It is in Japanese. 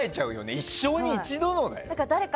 一生に一度だよ。